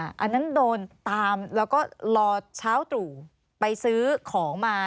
อันนั้นโดนตามแล้วก็รอเช้าตรู่ไปซื้อของมา